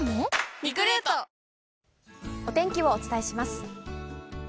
お天気をお伝えします。